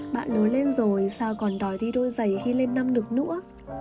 bạn lớn lên rồi sao còn đói đi đôi giày khi lên năm được nữa